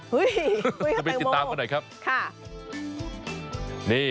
คุยกับแตงโมเดี๋ยวไปติดตามกันหน่อยครับค่ะคุยกับแตงโม